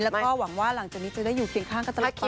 แล้วก็หวังว่าหลังจากนี้จะได้อยู่เคียงข้างกันตลอด